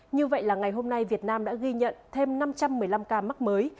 như vậy là ngày hôm nay việt nam đã ghi nhận thêm năm trăm một mươi năm ca mắc mới